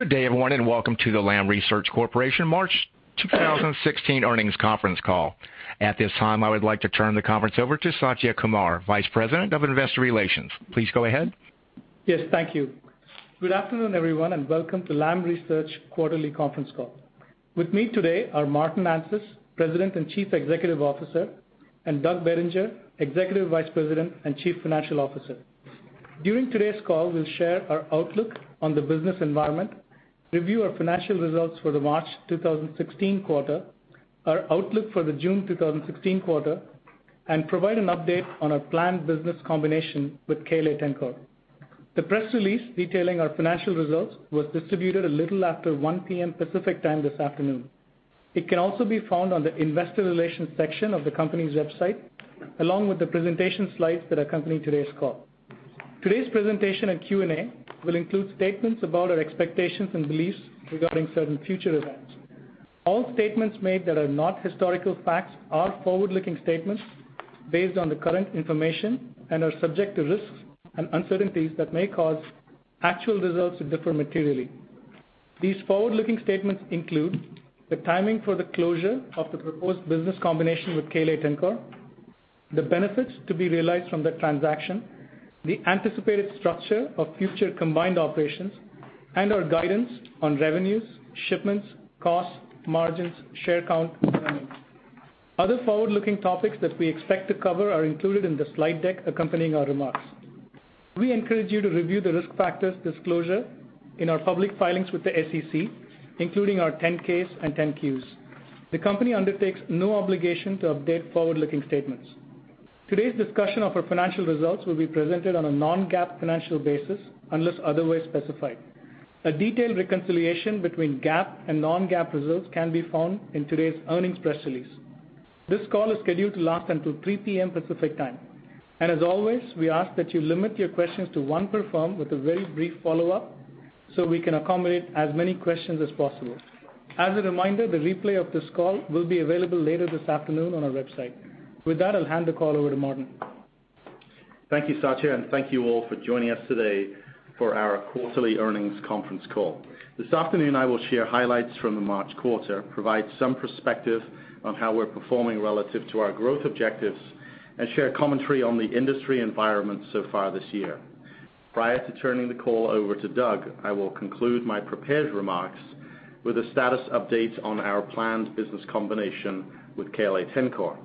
Good day, everyone, and welcome to the Lam Research Corporation March 2016 earnings conference call. At this time, I would like to turn the conference over to Satya Kumar, Vice President of Investor Relations. Please go ahead. Yes, thank you. Good afternoon, everyone, and welcome to Lam Research quarterly conference call. With me today are Martin Anstice, President and Chief Executive Officer, and Douglas Bettinger, Executive Vice President and Chief Financial Officer. During today's call, we'll share our outlook on the business environment, review our financial results for the March 2016 quarter, our outlook for the June 2016 quarter, and provide an update on our planned business combination with KLA-Tencor. The press release detailing our financial results was distributed a little after 1:00 P.M. Pacific Time this afternoon. It can also be found on the investor relations section of the company's website, along with the presentation slides that accompany today's call. Today's presentation and Q&A will include statements about our expectations and beliefs regarding certain future events. All statements made that are not historical facts are forward-looking statements based on the current information and are subject to risks and uncertainties that may cause actual results to differ materially. These forward-looking statements include the timing for the closure of the proposed business combination with KLA-Tencor, the benefits to be realized from that transaction, the anticipated structure of future combined operations, and our guidance on revenues, shipments, costs, margins, share count, and earnings. Other forward-looking topics that we expect to cover are included in the slide deck accompanying our remarks. We encourage you to review the risk factors disclosure in our public filings with the SEC, including our 10-K and 10-Q. The company undertakes no obligation to update forward-looking statements. Today's discussion of our financial results will be presented on a non-GAAP financial basis, unless otherwise specified. A detailed reconciliation between GAAP and non-GAAP results can be found in today's earnings press release. This call is scheduled to last until 3:00 P.M. Pacific Time. As always, we ask that you limit your questions to one per firm with a very brief follow-up so we can accommodate as many questions as possible. As a reminder, the replay of this call will be available later this afternoon on our website. With that, I'll hand the call over to Martin. Thank you, Satya, and thank you all for joining us today for our quarterly earnings conference call. This afternoon I will share highlights from the March quarter, provide some perspective on how we're performing relative to our growth objectives, and share commentary on the industry environment so far this year. Prior to turning the call over to Doug, I will conclude my prepared remarks with a status update on our planned business combination with KLA-Tencor.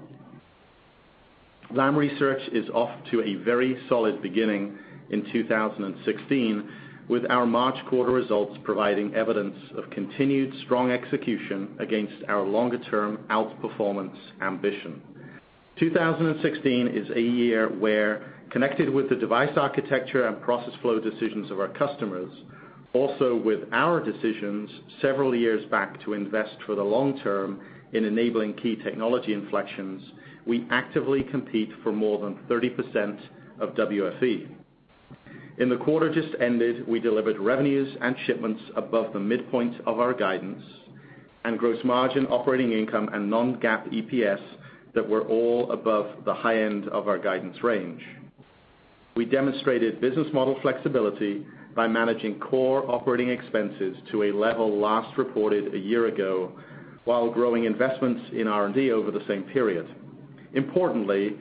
Lam Research is off to a very solid beginning in 2016, with our March quarter results providing evidence of continued strong execution against our longer-term outperformance ambition. 2016 is a year where connected with the device architecture and process flow decisions of our customers, also with our decisions several years back to invest for the long term in enabling key technology inflections, we actively compete for more than 30% of WFE. In the quarter just ended, we delivered revenues and shipments above the midpoint of our guidance and gross margin operating income and non-GAAP EPS that were all above the high end of our guidance range. We demonstrated business model flexibility by managing core operating expenses to a level last reported a year ago while growing investments in R&D over the same period. Importantly,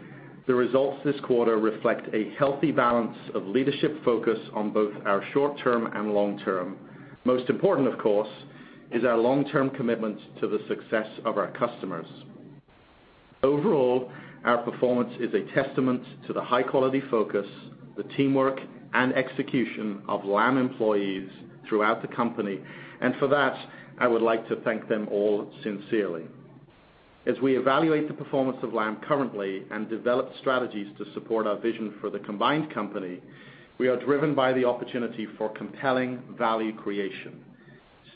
the results this quarter reflect a healthy balance of leadership focus on both our short term and long term. Most important, of course, is our long-term commitment to the success of our customers. Overall, our performance is a testament to the high-quality focus, the teamwork, and execution of Lam employees throughout the company, and for that, I would like to thank them all sincerely. As we evaluate the performance of Lam currently and develop strategies to support our vision for the combined company, we are driven by the opportunity for compelling value creation.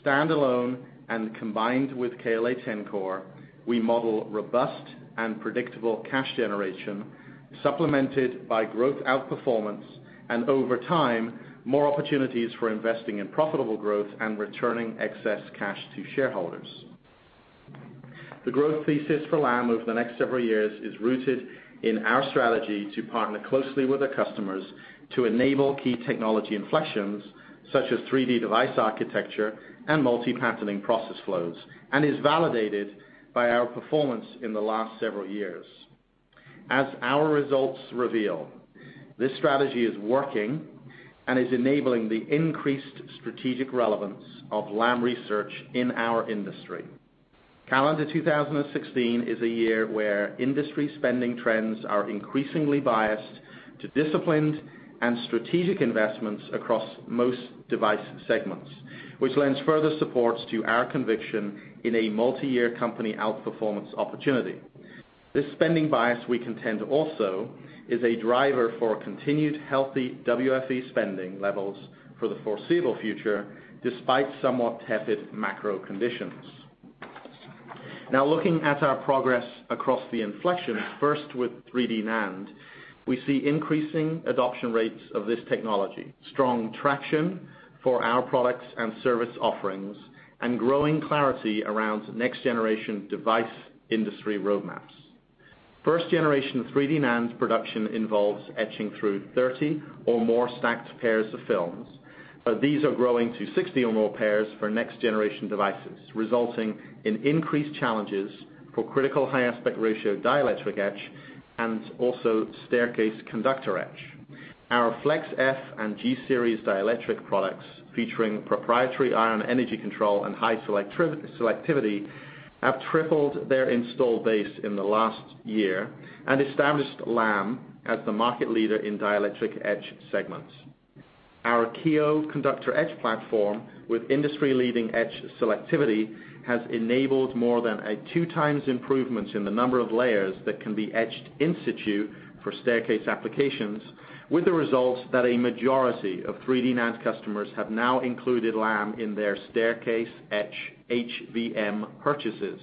Standalone and combined with KLA-Tencor, we model robust and predictable cash generation supplemented by growth outperformance and over time, more opportunities for investing in profitable growth and returning excess cash to shareholders. The growth thesis for Lam over the next several years is rooted in our strategy to partner closely with our customers to enable key technology inflections such as 3D device architecture and multi-patterning process flows, and is validated by our performance in the last several years. As our results reveal, this strategy is working and is enabling the increased strategic relevance of Lam Research in our industry. Calendar 2016 is a year where industry spending trends are increasingly biased to disciplined and strategic investments across most device segments, which lends further supports to our conviction in a multi-year company outperformance opportunity. This spending bias, we contend also, is a driver for continued healthy WFE spending levels for the foreseeable future, despite somewhat tepid macro conditions. Looking at our progress across the inflections, first with 3D NAND, we see increasing adoption rates of this technology, strong traction for our products and service offerings, and growing clarity around next-generation device industry roadmaps. First generation 3D NAND production involves etching through 30 or more stacked pairs of films, but these are growing to 60 or more pairs for next generation devices, resulting in increased challenges for critical high aspect ratio dielectric etch and also staircase conductor etch. Our Flex F Series and G Series dielectric products, featuring proprietary ion energy control and high selectivity, have tripled their install base in the last year and established Lam as the market leader in dielectric etch segments. Our Kiyo conductor etch platform with industry-leading etch selectivity has enabled more than a two times improvement in the number of layers that can be etched in situ for staircase applications, with the result that a majority of 3D NAND customers have now included Lam in their staircase etch HVM purchases.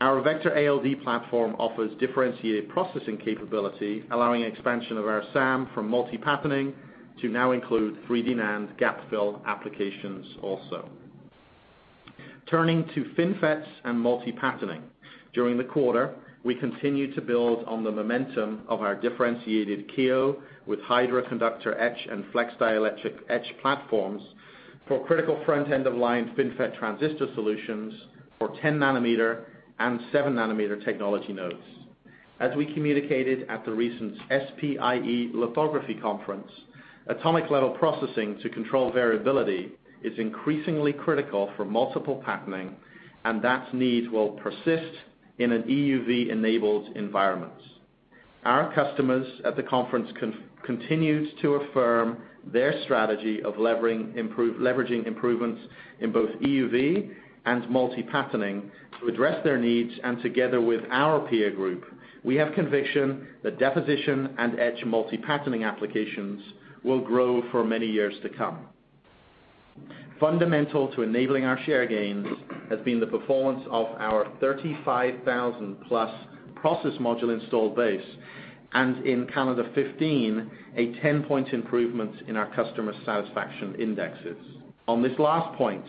Our VECTOR ALD platform offers differentiated processing capability, allowing expansion of our SAM from multi-patterning to now include 3D NAND gap fill applications also. Turning to FinFETs and multi-patterning. During the quarter, we continued to build on the momentum of our differentiated Kiyo with Hydra conductor etch and Flex dielectric etch platforms for critical front end of line FinFET transistor solutions for 10 nanometer and seven nanometer technology nodes. As we communicated at the recent SPIE Lithography Conference, atomic level processing to control variability is increasingly critical for multiple patterning, and that need will persist in an EUV-enabled environment. Our customers at the conference continued to affirm their strategy of leveraging improvements in both EUV and multi-patterning to address their needs, and together with our peer group, we have conviction that deposition and etch multi-patterning applications will grow for many years to come. Fundamental to enabling our share gains has been the performance of our 35,000-plus process module install base, and in calendar 2015, a 10-point improvement in our customer satisfaction indexes. On this last point,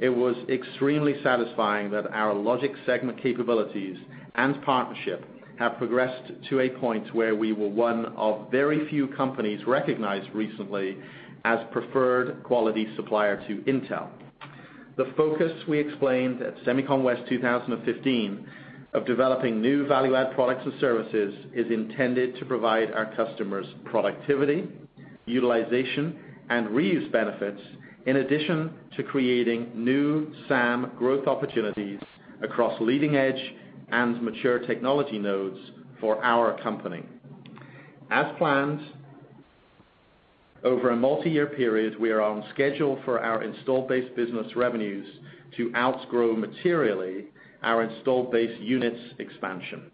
it was extremely satisfying that our logic segment capabilities and partnership have progressed to a point where we were one of very few companies recognized recently as preferred quality supplier to Intel. The focus we explained at SEMICON West 2015 of developing new value-add products and services is intended to provide our customers productivity, utilization, and reuse benefits, in addition to creating new SAM growth opportunities across leading-edge and mature technology nodes for our company. As planned, over a multi-year period, we are on schedule for our installed base business revenues to outgrow materially our installed base units expansion.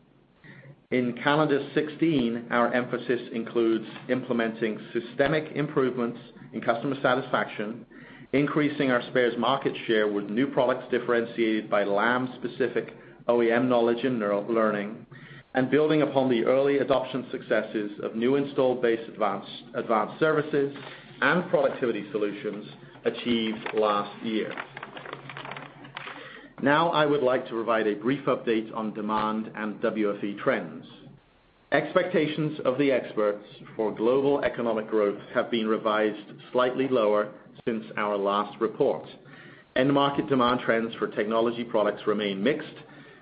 In calendar 2016, our emphasis includes implementing systemic improvements in customer satisfaction, increasing our spares market share with new products differentiated by Lam-specific OEM knowledge and neural learning, and building upon the early adoption successes of new installed base advanced services and productivity solutions achieved last year. I would like to provide a brief update on demand and WFE trends. Expectations of the experts for global economic growth have been revised slightly lower since our last report. End market demand trends for technology products remain mixed,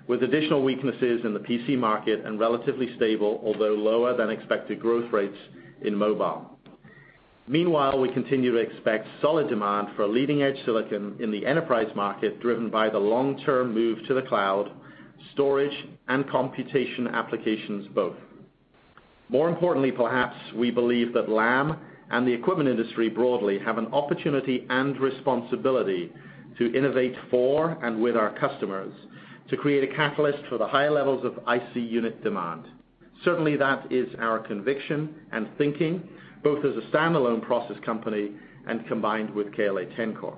with additional weaknesses in the PC market and relatively stable, although lower than expected growth rates in mobile. Meanwhile, we continue to expect solid demand for leading-edge silicon in the enterprise market, driven by the long-term move to the cloud, storage, and computation applications both. More importantly perhaps, we believe that Lam and the equipment industry broadly have an opportunity and responsibility to innovate for and with our customers to create a catalyst for the higher levels of IC unit demand. Certainly, that is our conviction and thinking, both as a standalone process company and combined with KLA-Tencor.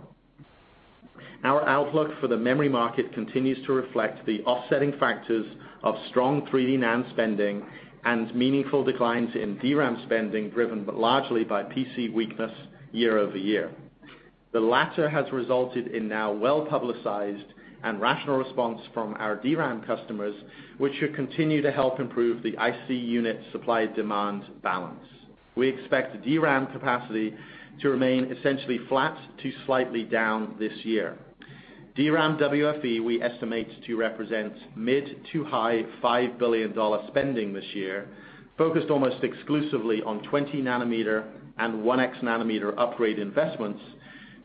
Our outlook for the memory market continues to reflect the offsetting factors of strong 3D NAND spending and meaningful declines in DRAM spending, driven largely by PC weakness year-over-year. The latter has resulted in now well-publicized and rational response from our DRAM customers, which should continue to help improve the IC unit supply-demand balance. We expect DRAM capacity to remain essentially flat to slightly down this year. DRAM WFE we estimate to represent mid to high $5 billion spending this year, focused almost exclusively on 20-nanometer and 1X-nanometer upgrade investments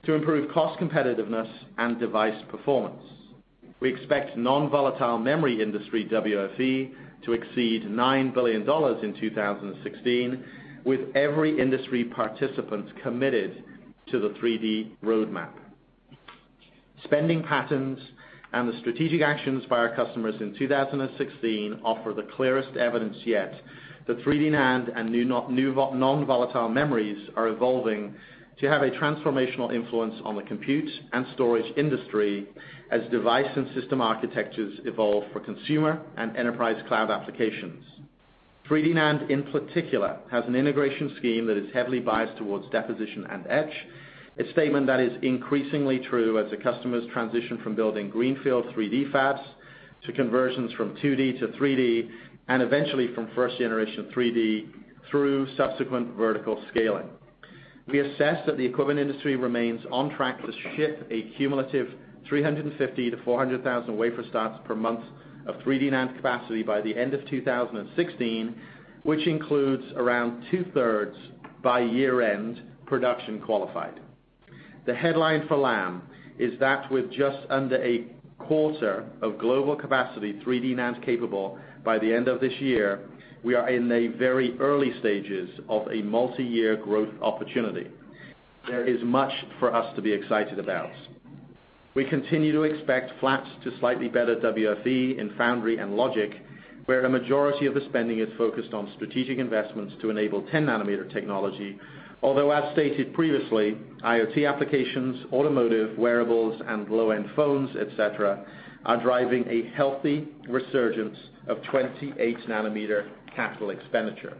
to improve cost competitiveness and device performance. We expect non-volatile memory industry WFE to exceed $9 billion in 2016, with every industry participant committed to the 3D roadmap. Spending patterns and the strategic actions by our customers in 2016 offer the clearest evidence yet that 3D NAND and new non-volatile memories are evolving to have a transformational influence on the compute and storage industry as device and system architectures evolve for consumer and enterprise cloud applications. 3D NAND in particular has an integration scheme that is heavily biased towards deposition and etch, a statement that is increasingly true as the customers transition from building greenfield 3D fabs to conversions from 2D to 3D, and eventually from first-generation 3D through subsequent vertical scaling. We assess that the equipment industry remains on track to ship a cumulative 350,000 to 400,000 wafer starts per month of 3D NAND capacity by the end of 2016, which includes around two-thirds by year-end production qualified. The headline for Lam is that with just under a quarter of global capacity 3D NAND capable by the end of this year, we are in the very early stages of a multi-year growth opportunity. There is much for us to be excited about. We continue to expect flat to slightly better WFE in foundry and logic, where a majority of the spending is focused on strategic investments to enable 10-nanometer technology, although as stated previously, IoT applications, automotive, wearables, and low-end phones, et cetera, are driving a healthy resurgence of 28-nanometer capital expenditure.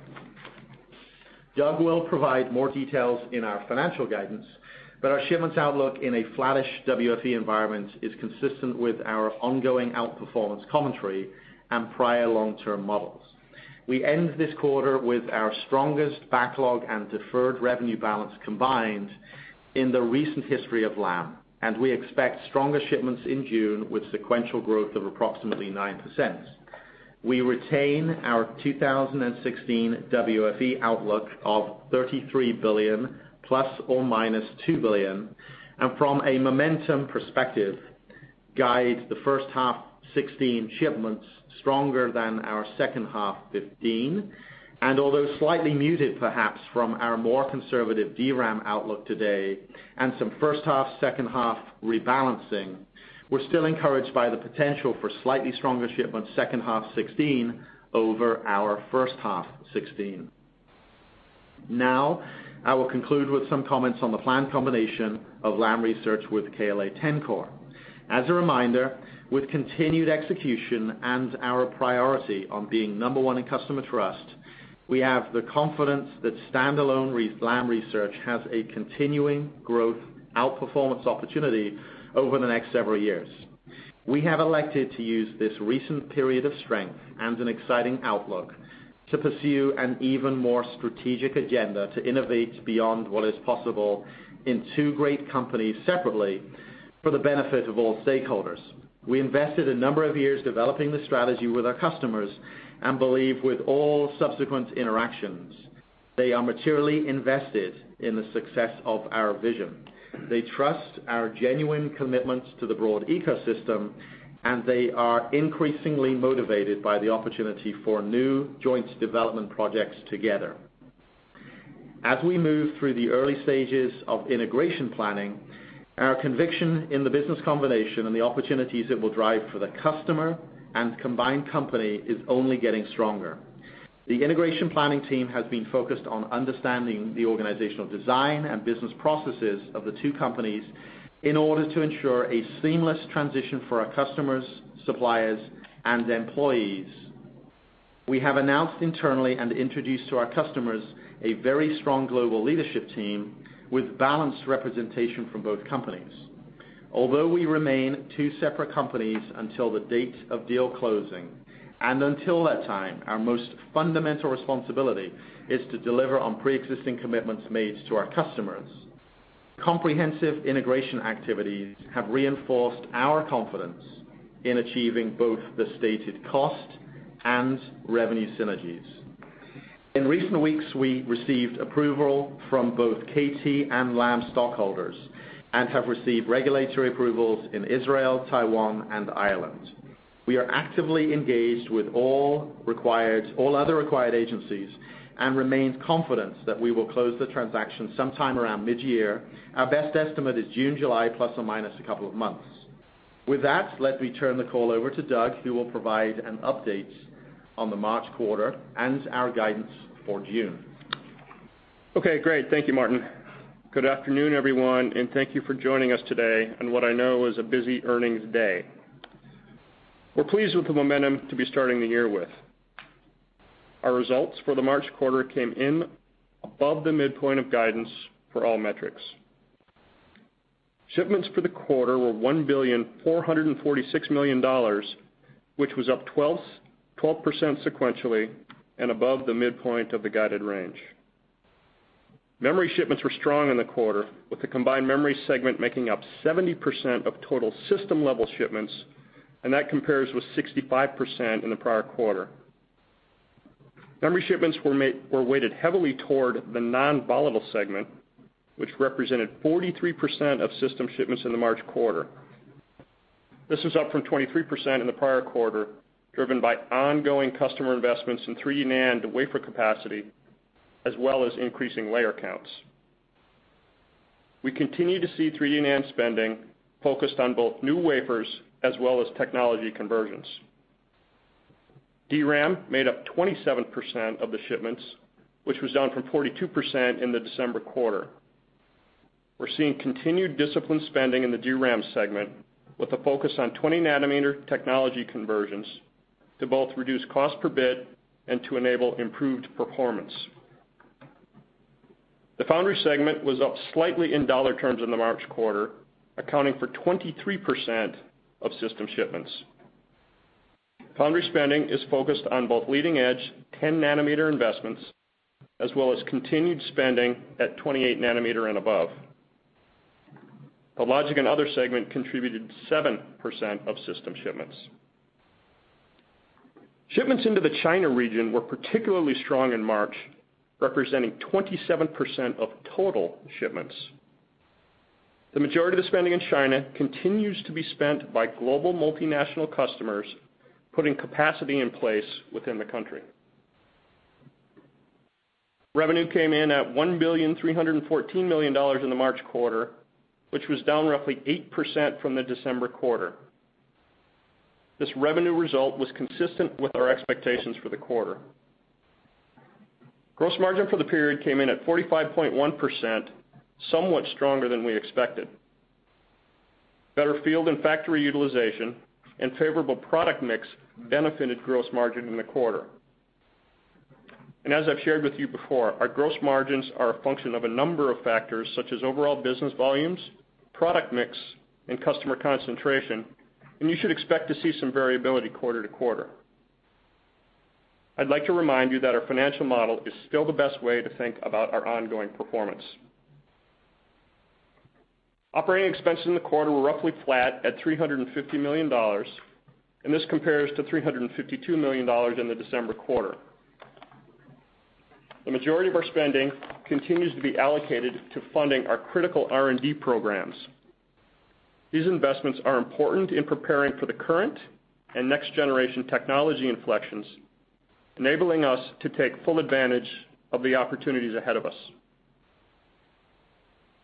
Doug will provide more details in our financial guidance, but our shipments outlook in a flattish WFE environment is consistent with our ongoing outperformance commentary and prior long-term models. We end this quarter with our strongest backlog and deferred revenue balance combined in the recent history of Lam, we expect stronger shipments in June with sequential growth of approximately 9%. We retain our 2016 WFE outlook of $33 billion ± $2 billion. From a momentum perspective, guide the first half 2016 shipments stronger than our second half 2015, and although slightly muted perhaps from our more conservative DRAM outlook today and some first half, second half rebalancing, we're still encouraged by the potential for slightly stronger shipments second half 2016 over our first half 2016. Now, I will conclude with some comments on the planned combination of Lam Research with KLA-Tencor. As a reminder, with continued execution and our priority on being number one in customer trust, we have the confidence that standalone Lam Research has a continuing growth outperformance opportunity over the next several years. We have elected to use this recent period of strength and an exciting outlook to pursue an even more strategic agenda to innovate beyond what is possible in two great companies separately for the benefit of all stakeholders. We invested a number of years developing the strategy with our customers and believe with all subsequent interactions they are materially invested in the success of our vision. They trust our genuine commitments to the broad ecosystem, and they are increasingly motivated by the opportunity for new joint development projects together. As we move through the early stages of integration planning, our conviction in the business combination and the opportunities it will drive for the customer and combined company is only getting stronger. The integration planning team has been focused on understanding the organizational design and business processes of the two companies in order to ensure a seamless transition for our customers, suppliers, and employees. We have announced internally and introduced to our customers a very strong global leadership team with balanced representation from both companies. Although we remain two separate companies until the date of deal closing, and until that time, our most fundamental responsibility is to deliver on preexisting commitments made to our customers. Comprehensive integration activities have reinforced our confidence in achieving both the stated cost and revenue synergies. In recent weeks, we received approval from both KT and Lam stockholders and have received regulatory approvals in Israel, Taiwan, and Ireland. We are actively engaged with all other required agencies and remain confident that we will close the transaction sometime around mid-year. Our best estimate is June, July, ± a couple of months. With that, let me turn the call over to Doug, who will provide an update on the March quarter and our guidance for June. Okay, great. Thank you, Martin. Good afternoon, everyone, and thank you for joining us today on what I know is a busy earnings day. We are pleased with the momentum to be starting the year with. Our results for the March quarter came in above the midpoint of guidance for all metrics. Shipments for the quarter were $1.446 billion, which was up 12% sequentially and above the midpoint of the guided range. Memory shipments were strong in the quarter with the combined memory segment making up 70% of total system-level shipments, and that compares with 65% in the prior quarter. Memory shipments were weighted heavily toward the non-volatile segment, which represented 43% of system shipments in the March quarter. This was up from 23% in the prior quarter, driven by ongoing customer investments in 3D NAND wafer capacity, as well as increasing layer counts. We continue to see 3D NAND spending focused on both new wafers as well as technology conversions. DRAM made up 27% of the shipments, which was down from 42% in the December quarter. We are seeing continued disciplined spending in the DRAM segment with a focus on 20 nanometer technology conversions to both reduce cost per bit and to enable improved performance. The foundry segment was up slightly in dollar terms in the March quarter, accounting for 23% of system shipments. Foundry spending is focused on both leading-edge 10 nanometer investments, as well as continued spending at 28 nanometer and above. The logic and other segment contributed 7% of system shipments. Shipments into the China region were particularly strong in March, representing 27% of total shipments. The majority of the spending in China continues to be spent by global multinational customers, putting capacity in place within the country. Revenue came in at $1,314,000,000 in the March quarter, which was down roughly 8% from the December quarter. This revenue result was consistent with our expectations for the quarter. Gross margin for the period came in at 45.1%, somewhat stronger than we expected. Better field and factory utilization and favorable product mix benefited gross margin in the quarter. As I have shared with you before, our gross margins are a function of a number of factors such as overall business volumes, product mix, and customer concentration, and you should expect to see some variability quarter to quarter. I would like to remind you that our financial model is still the best way to think about our ongoing performance. Operating expenses in the quarter were roughly flat at $350 million, and this compares to $352 million in the December quarter. The majority of our spending continues to be allocated to funding our critical R&D programs. These investments are important in preparing for the current and next-generation technology inflections, enabling us to take full advantage of the opportunities ahead of us.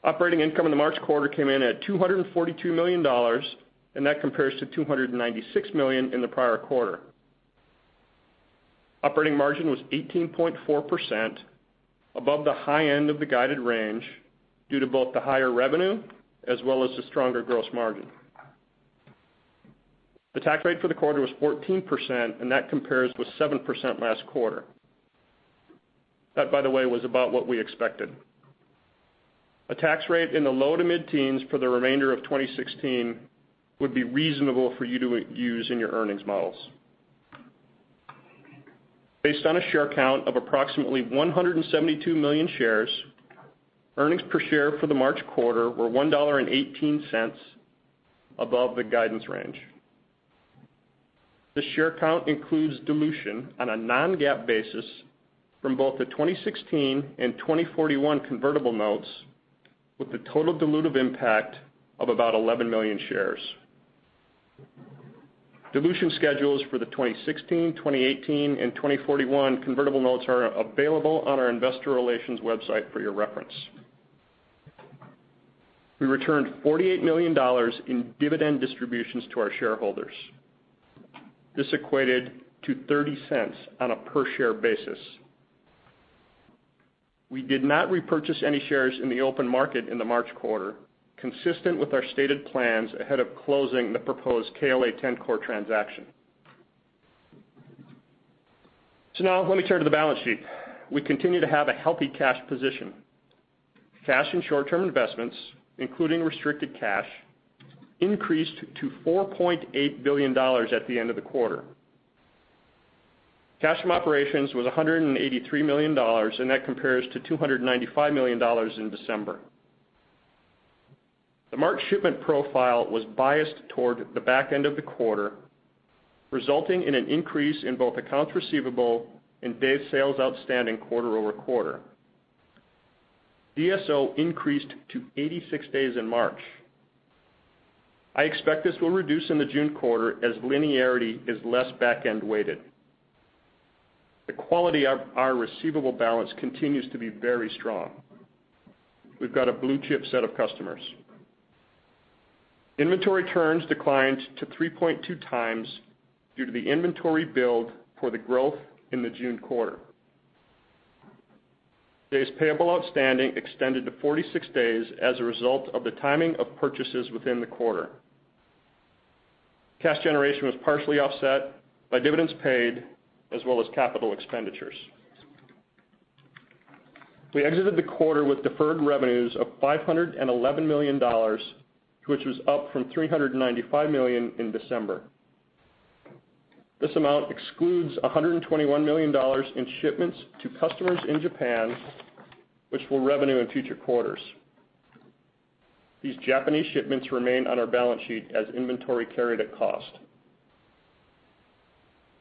Operating income in the March quarter came in at $242 million, that compares to $296 million in the prior quarter. Operating margin was 18.4%, above the high end of the guided range due to both the higher revenue as well as the stronger gross margin. The tax rate for the quarter was 14%, that compares with 7% last quarter. That, by the way, was about what we expected. A tax rate in the low to mid-teens for the remainder of 2016 would be reasonable for you to use in your earnings models. Based on a share count of approximately 172 million shares, earnings per share for the March quarter were $1.18, above the guidance range. The share count includes dilution on a non-GAAP basis from both the 2016 and 2041 convertible notes, with a total dilutive impact of about 11 million shares. Dilution schedules for the 2016, 2018, and 2041 convertible notes are available on our investor relations website for your reference. We returned $48 million in dividend distributions to our shareholders. This equated to $0.30 on a per-share basis. We did not repurchase any shares in the open market in the March quarter, consistent with our stated plans ahead of closing the proposed KLA-Tencor transaction. Now let me turn to the balance sheet. We continue to have a healthy cash position. Cash and short-term investments, including restricted cash, increased to $4.8 billion at the end of the quarter. Cash from operations was $183 million, that compares to $295 million in December. The March shipment profile was biased toward the back end of the quarter, resulting in an increase in both accounts receivable and days sales outstanding quarter-over-quarter. DSO increased to 86 days in March. I expect this will reduce in the June quarter as linearity is less back-end weighted. The quality of our receivable balance continues to be very strong. We've got a blue-chip set of customers. Inventory turns declined to 3.2 times due to the inventory build for the growth in the June quarter. Days payable outstanding extended to 46 days as a result of the timing of purchases within the quarter. Cash generation was partially offset by dividends paid as well as capital expenditures. We exited the quarter with deferred revenues of $511 million, which was up from $395 million in December. This amount excludes $121 million in shipments to customers in Japan, which will revenue in future quarters. These Japanese shipments remain on our balance sheet as inventory carried at cost.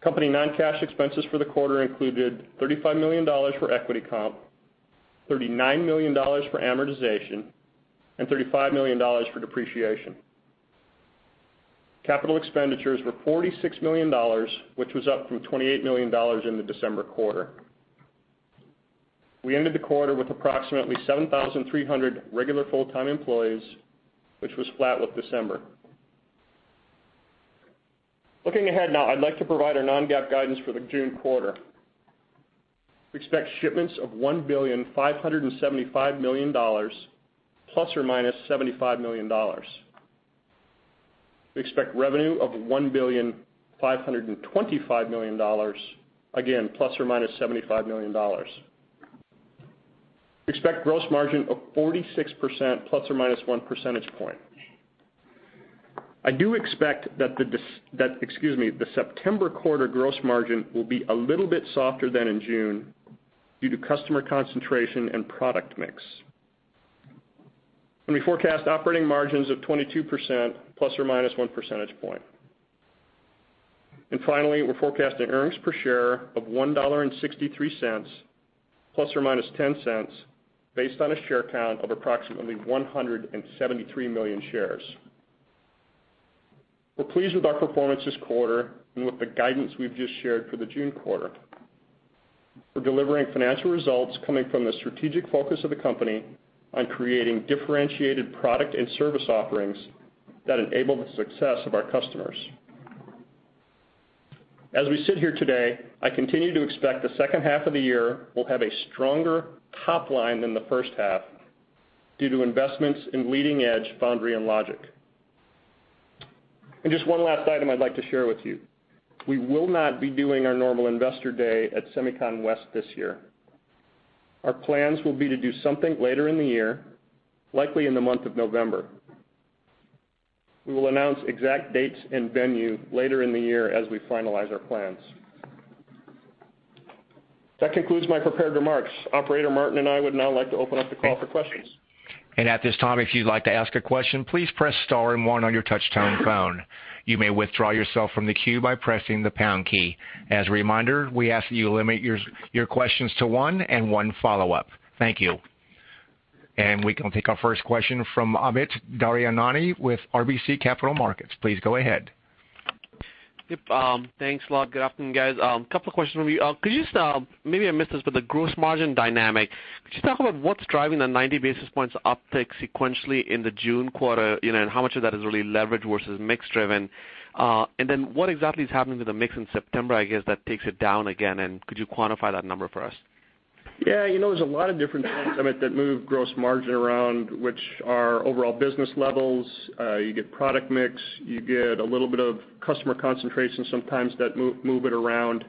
Company non-cash expenses for the quarter included $35 million for equity comp, $39 million for amortization, and $35 million for depreciation. Capital expenditures were $46 million, which was up from $28 million in the December quarter. We ended the quarter with approximately 7,300 regular full-time employees, which was flat with December. Looking ahead now, I'd like to provide our non-GAAP guidance for the June quarter. We expect shipments of $1,575 million, ±$75 million. We expect revenue of $1,525 million, again, ±$75 million. We expect gross margin of 46%, ±one percentage point. I do expect that the September quarter gross margin will be a little bit softer than in June due to customer concentration and product mix. We forecast operating margins of 22%, ±one percentage point. Finally, we're forecasting earnings per share of $1.63, ±$0.10, based on a share count of approximately 173 million shares. We're pleased with our performance this quarter and with the guidance we've just shared for the June quarter. We're delivering financial results coming from the strategic focus of the company on creating differentiated product and service offerings that enable the success of our customers. As we sit here today, I continue to expect the second half of the year will have a stronger top line than the first half due to investments in leading-edge foundry and logic. Just one last item I'd like to share with you. We will not be doing our normal Investor Day at SEMICON West this year. Our plans will be to do something later in the year, likely in the month of November. We will announce exact dates and venue later in the year as we finalize our plans. That concludes my prepared remarks. Operator, Martin and I would now like to open up the call for questions. At this time, if you'd like to ask a question, please press star and one on your touch-tone phone. You may withdraw yourself from the queue by pressing the pound key. As a reminder, we ask that you limit your questions to one and one follow-up. Thank you. We can take our first question from Amit Daryanani with RBC Capital Markets. Please go ahead. Yep. Thanks a lot. Good afternoon, guys. Couple of questions from me. Maybe I missed this, the gross margin dynamic, could you talk about what's driving the 90 basis points uptick sequentially in the June quarter, and how much of that is really leverage versus mix-driven? Then what exactly is happening with the mix in September, I guess, that takes it down again, and could you quantify that number for us? Yeah. There's a lot of different things, Amit, that move gross margin around, which are overall business levels. You get product mix, you get a little bit of customer concentration sometimes that move it around.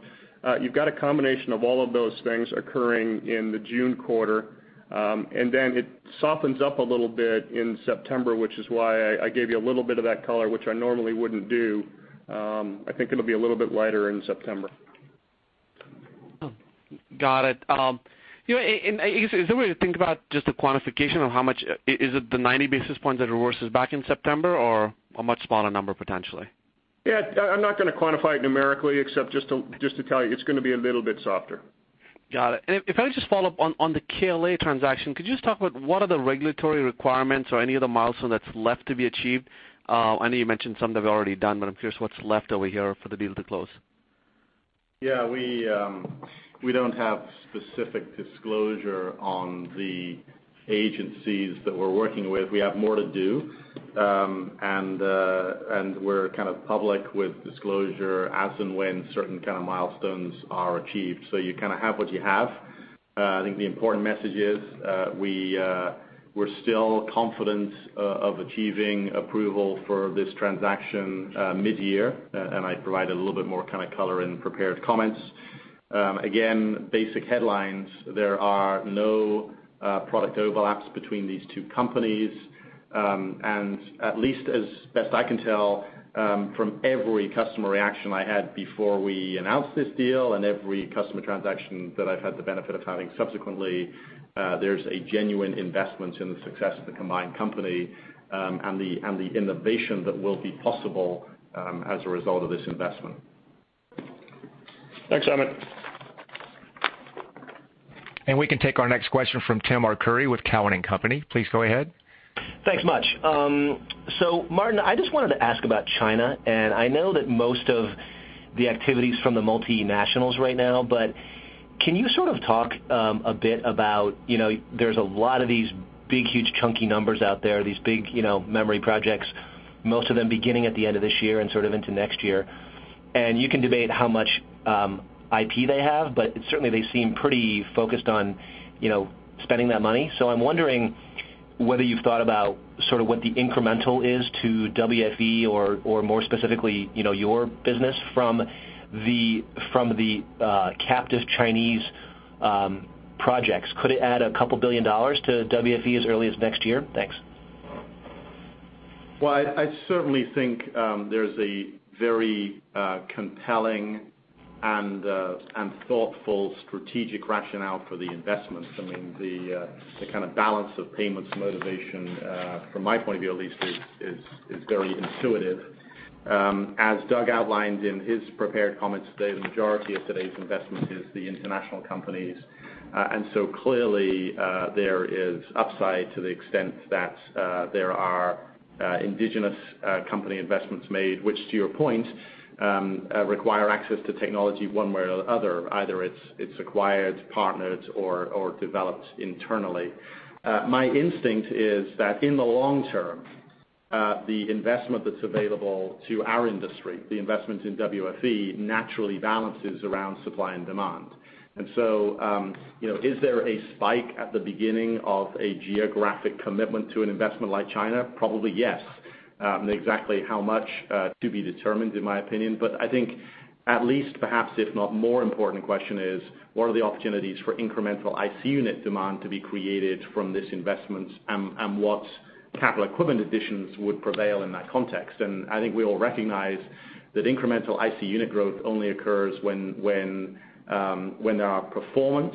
You've got a combination of all of those things occurring in the June quarter, then it softens up a little bit in September, which is why I gave you a little bit of that color, which I normally wouldn't do. I think it'll be a little bit lighter in September. Got it. Is there a way to think about just the quantification of how much? Is it the 90 basis points that reverses back in September, or a much smaller number potentially? Yeah. I'm not going to quantify it numerically except just to tell you it's going to be a little bit softer. Got it. If I just follow up on the KLA transaction, could you just talk about what are the regulatory requirements or any of the milestones that's left to be achieved? I know you mentioned some that are already done, but I'm curious what's left over here for the deal to close. Yeah, we don't have specific disclosure on the agencies that we're working with. We have more to do. We're kind of public with disclosure as and when certain kind of milestones are achieved. You kind of have what you have. I think the important message is we're still confident of achieving approval for this transaction mid-year. I provided a little bit more kind of color in prepared comments. Again, basic headlines, there are no product overlaps between these two companies. At least as best I can tell from every customer reaction I had before we announced this deal and every customer transaction that I've had the benefit of having subsequently, there's a genuine investment in the success of the combined company and the innovation that will be possible as a result of this investment. Thanks, Amit. We can take our next question from Timothy Arcuri with Cowen and Company. Please go ahead. Thanks much. Martin, I just wanted to ask about China, and I know that most of the activity's from the multinationals right now, but can you sort of talk a bit about there's a lot of these big, huge chunky numbers out there, these big memory projects, most of them beginning at the end of this year and sort of into next year. You can debate how much IP they have, but certainly they seem pretty focused on spending that money. I'm wondering whether you've thought about sort of what the incremental is to WFE or more specifically, your business from the captive Chinese projects. Could it add a couple billion dollars to WFE as early as next year? Thanks. I certainly think there's a very compelling and thoughtful strategic rationale for the investments. I mean, the kind of balance of payments motivation, from my point of view at least, is very intuitive. As Doug outlined in his prepared comments today, the majority of today's investment is the international companies. Clearly, there is upside to the extent that there are indigenous company investments made, which to your point, require access to technology one way or the other. Either it's acquired, partnered, or developed internally. My instinct is that in the long term. The investment that's available to our industry, the investment in WFE, naturally balances around supply and demand. Is there a spike at the beginning of a geographic commitment to an investment like China? Probably, yes. Exactly how much to be determined, in my opinion. I think at least, perhaps if not more important question is, what are the opportunities for incremental IC unit demand to be created from this investment, and what capital equipment additions would prevail in that context? I think we all recognize that incremental IC unit growth only occurs when there are performance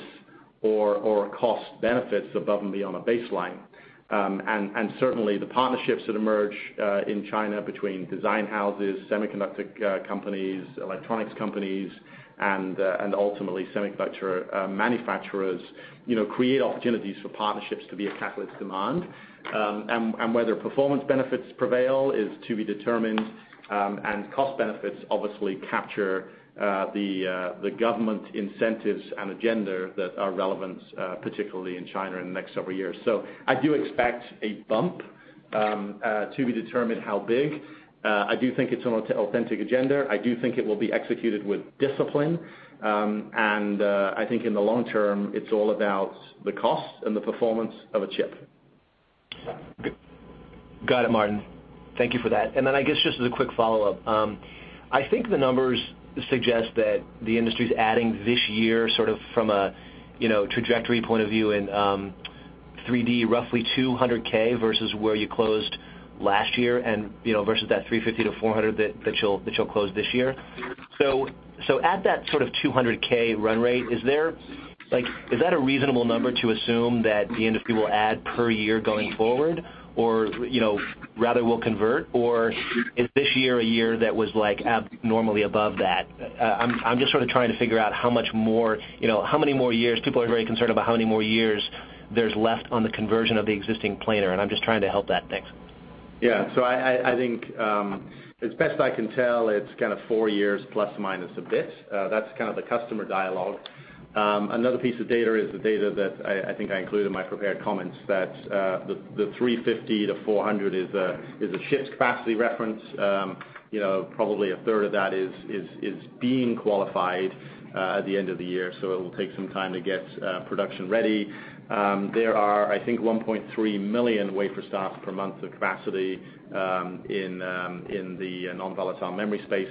or cost benefits above and beyond a baseline. Certainly, the partnerships that emerge in China between design houses, semiconductor companies, electronics companies, and ultimately, semiconductor manufacturers create opportunities for partnerships to be a catalyst demand. Whether performance benefits prevail is to be determined, and cost benefits obviously capture the government incentives and agenda that are relevant, particularly in China in the next several years. I do expect a bump, to be determined how big. I do think it's an authentic agenda. I do think it will be executed with discipline. I think in the long term, it's all about the cost and the performance of a chip. Got it, Martin. Thank you for that. I guess just as a quick follow-up. I think the numbers suggest that the industry's adding this year sort of from a trajectory point of view in 3D, roughly 200K versus where you closed last year and versus that 350-400 that you'll close this year. At that sort of 200K run rate, is that a reasonable number to assume that the industry will add per year going forward? Or rather will convert, or is this year a year that was abnormally above that? I'm just sort of trying to figure out how many more years, people are very concerned about how many more years there's left on the conversion of the existing planar, and I'm just trying to help that. Thanks. Yeah. I think, as best I can tell, it's kind of four years plus or minus a bit. That's kind of the customer dialogue. Another piece of data is the data that I think I included in my prepared comments that the 350-400 is a ships capacity reference. Probably a third of that is being qualified at the end of the year, so it'll take some time to get production ready. There are, I think, 1.3 million wafer starts per month of capacity in the non-volatile memory space.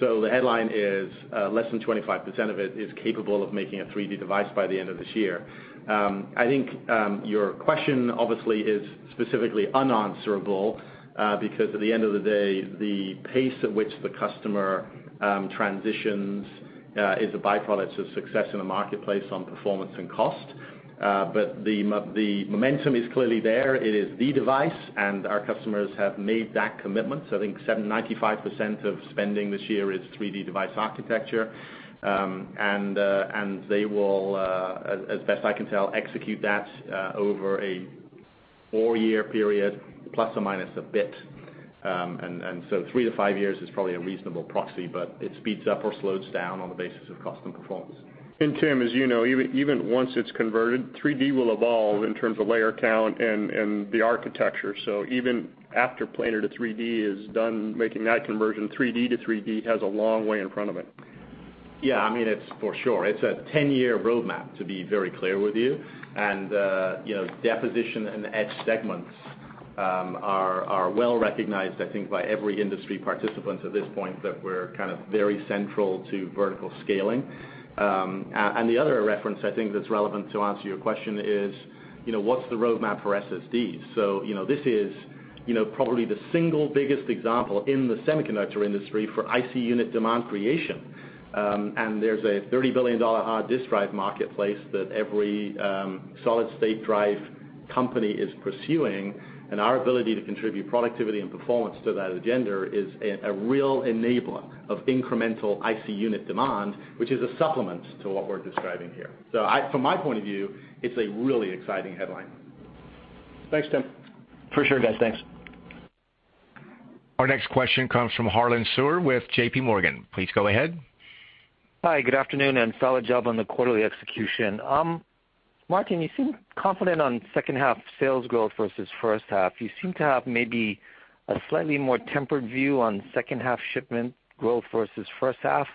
The headline is, less than 25% of it is capable of making a 3D device by the end of this year. I think your question, obviously, is specifically unanswerable, because at the end of the day, the pace at which the customer transitions is a byproduct of success in the marketplace on performance and cost. The momentum is clearly there. It is the device, and our customers have made that commitment. I think some 95% of spending this year is 3D device architecture. They will, as best I can tell, execute that over a four-year period, plus or minus a bit. Three to five years is probably a reasonable proxy, but it speeds up or slows down on the basis of cost and performance. Tim, as you know, even once it's converted, 3D will evolve in terms of layer count and the architecture. Even after planar to 3D is done making that conversion, 3D to 3D has a long way in front of it. Yeah, for sure. It's a 10-year roadmap, to be very clear with you. Deposition and etch segments are well-recognized, I think, by every industry participant at this point, that we're kind of very central to vertical scaling. The other reference I think that's relevant to answer your question is, what's the roadmap for SSDs? This is probably the single biggest example in the semiconductor industry for IC unit demand creation. There's a $30 billion hard disk drive marketplace that every solid-state drive company is pursuing. Our ability to contribute productivity and performance to that agenda is a real enabler of incremental IC unit demand, which is a supplement to what we're describing here. From my point of view, it's a really exciting headline. Thanks, Tim. For sure, guys. Thanks. Our next question comes from Harlan Sur with J.P. Morgan. Please go ahead. Hi, good afternoon, solid job on the quarterly execution. Martin, you seem confident on second half sales growth versus first half. You seem to have maybe a slightly more tempered view on second half shipment growth versus first half,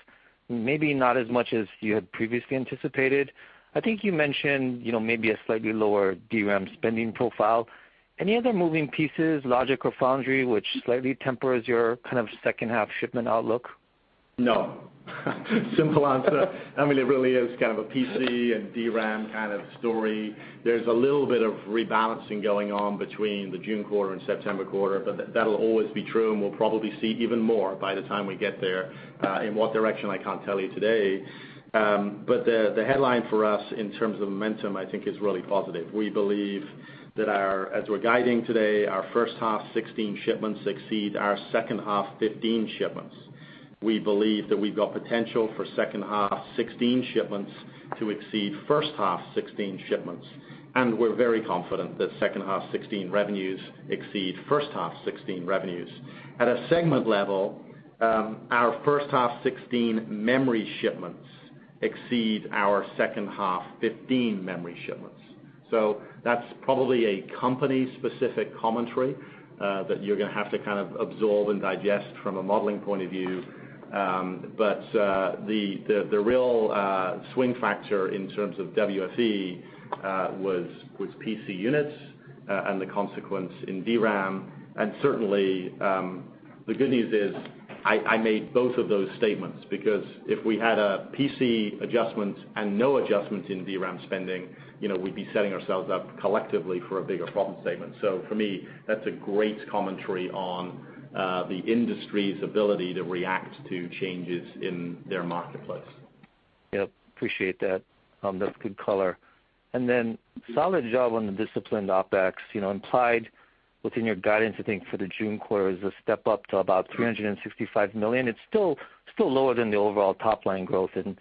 maybe not as much as you had previously anticipated. I think you mentioned maybe a slightly lower DRAM spending profile. Any other moving pieces, logic or foundry, which slightly tempers your kind of second half shipment outlook? No. Simple answer. It really is kind of a PC and DRAM kind of story. There's a little bit of rebalancing going on between the June quarter and September quarter, but that'll always be true, and we'll probably see even more by the time we get there. In what direction, I can't tell you today. The headline for us in terms of momentum, I think is really positive. We believe that as we're guiding today, our first half 2016 shipments exceed our second half 2015 shipments. We believe that we've got potential for second half 2016 shipments to exceed first half 2016 shipments, and we're very confident that second half 2016 revenues exceed first half 2016 revenues. At a segment level, our first half 2016 memory shipments exceed our second half 2015 memory shipments. That's probably a company-specific commentary that you're going to have to absorb and digest from a modeling point of view. The real swing factor in terms of WFE was PC units and the consequence in DRAM. Certainly, the good news is I made both of those statements because if we had a PC adjustment and no adjustment in DRAM spending, we'd be setting ourselves up collectively for a bigger problem statement. For me, that's a great commentary on the industry's ability to react to changes in their marketplace. Yep. Appreciate that. That's good color. Solid job on the disciplined OpEx. Implied within your guidance, I think, for the June quarter is a step up to about $365 million. It's still lower than the overall top-line growth and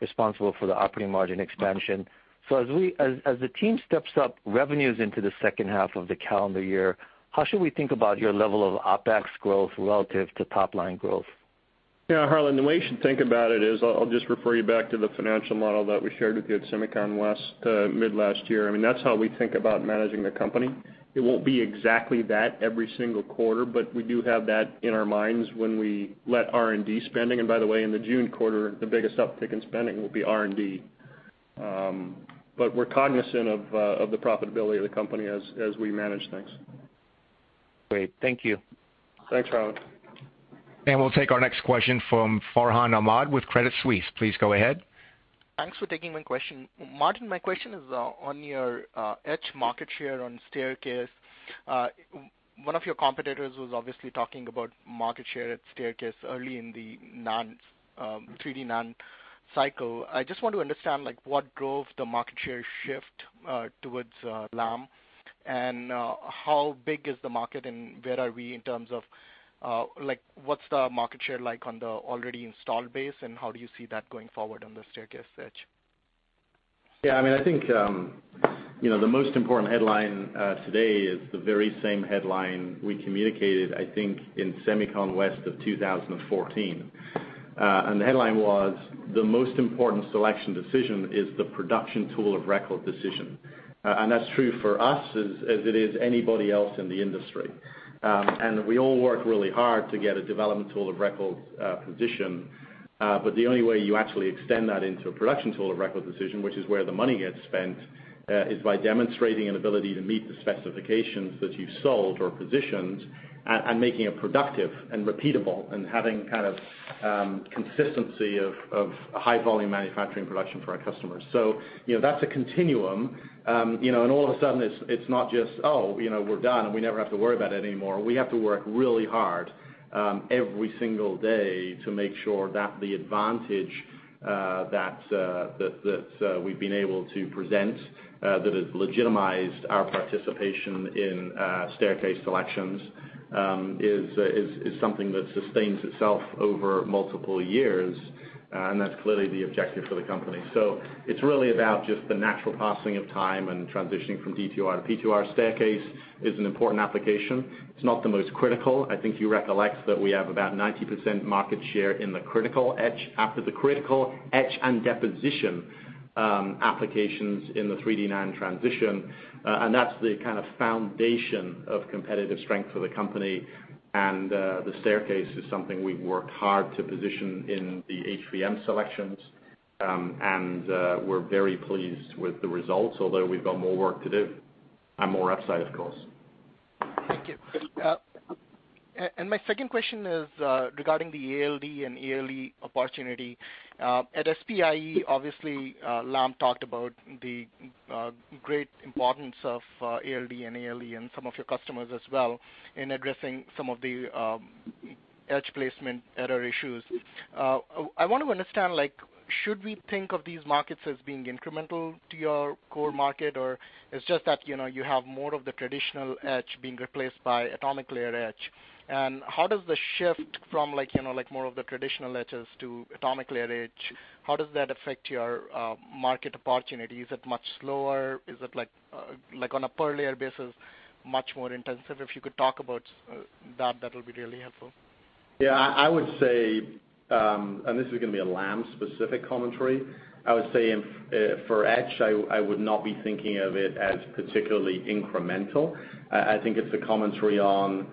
responsible for the operating margin expansion. As the team steps up revenues into the second half of the calendar year, how should we think about your level of OpEx growth relative to top-line growth? Yeah, Harlan, the way you should think about it is, I'll just refer you back to the financial model that we shared with you at SEMICON West mid last year. That's how we think about managing the company. It won't be exactly that every single quarter, but we do have that in our minds when we let R&D spending. By the way, in the June quarter, the biggest uptick in spending will be R&D. We're cognizant of the profitability of the company as we manage things. Great. Thank you. Thanks, Harlan. We'll take our next question from Farhan Ahmad with Credit Suisse. Please go ahead. Thanks for taking my question. Martin, my question is on your etch market share on staircase. One of your competitors was obviously talking about market share at staircase early in the 3D NAND cycle. I just want to understand what drove the market share shift towards Lam, how big is the market, where are we in terms of what's the market share like on the already installed base, and how do you see that going forward on the staircase etch? I think the most important headline today is the very same headline we communicated, I think, in SEMICON West of 2014. The headline was, "The most important selection decision is the production tool of record decision." That's true for us as it is anybody else in the industry. We all work really hard to get a development tool of record position. The only way you actually extend that into a production tool of record decision, which is where the money gets spent, is by demonstrating an ability to meet the specifications that you've sold or positioned, making it productive and repeatable, and having kind of consistency of high volume manufacturing production for our customers. That's a continuum. All of a sudden, it's not just, oh, we're done, and we never have to worry about it anymore. We have to work really hard every single day to make sure that the advantage that we've been able to present that has legitimized our participation in staircase selections is something that sustains itself over multiple years. That's clearly the objective for the company. It's really about just the natural passing of time and transitioning from DTR to PTR. Staircase is an important application. It's not the most critical. I think you recollect that we have about 90% market share in the critical etch, after the critical etch and deposition applications in the 3D NAND transition. That's the kind of foundation of competitive strength for the company. The staircase is something we've worked hard to position in the HVM selections. We're very pleased with the results, although we've got more work to do, and more upside, of course. Thank you. My second question is regarding the ALD and ALE opportunity. At SPIE, obviously, Lam talked about the great importance of ALD and ALE, and some of your customers as well, in addressing some of the etch placement error issues. I want to understand, should we think of these markets as being incremental to your core market, or it's just that you have more of the traditional etch being replaced by atomic layer etch? How does the shift from more of the traditional etches to atomic layer etch, how does that affect your market opportunity? Is it much slower? Is it, on a per layer basis, much more intensive? If you could talk about that'll be really helpful. Yeah, I would say, this is going to be a Lam-specific commentary. I would say for etch, I would not be thinking of it as particularly incremental. I think it's a commentary on